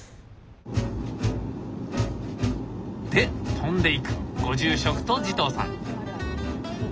で飛んでいくご住職と慈瞳さん。